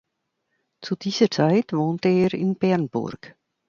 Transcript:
Zu dieser Zeit wohnte er in Bernburg.